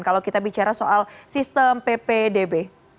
kalau kita bicara soal sistem ppdb